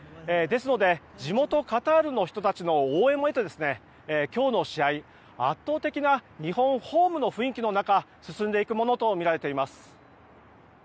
ですので、地元カタールの人々の応援も得て今日の試合に圧倒的な日本ホームの雰囲気の中進んでいくものとみられています。